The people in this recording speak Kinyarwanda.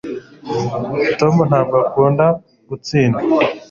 tom ntabwo akunda gutsindwa